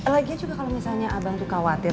lagi juga kalau misalnya abang tuh khawatir